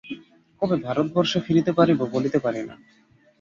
কবে ভারতবর্ষে ফিরিতে পারিব, বলিতে পারি না।